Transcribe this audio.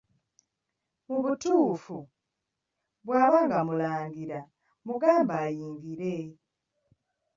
Mu butuufu, bwaba nga mulangira mugambe ayingire.